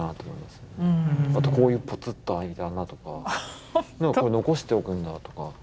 あとこういうポツッとあいた穴とかこれ残しておくんだとか。